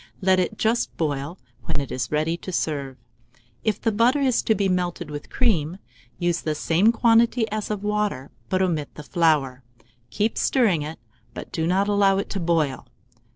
Let it just boil, when it is ready to serve. If the butter is to be melted with cream, use the same quantity as of water, but omit the flour; keep stirring it, but do not allow it to boil.